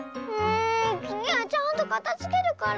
つぎはちゃんとかたづけるから。